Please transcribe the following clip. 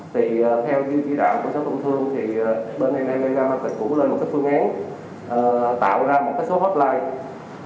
thì theo dự trí đạo của sở công thương thì bên đây đang ra một cái phương án tạo ra một cái số hotline